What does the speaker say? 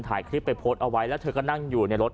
ถ่ายคลิปไปโพสต์เอาไว้แล้วเธอก็นั่งอยู่ในรถ